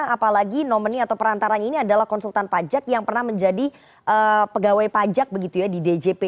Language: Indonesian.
apalagi nomini atau perantaranya ini adalah konsultan pajak yang pernah menjadi pegawai pajak begitu ya di djp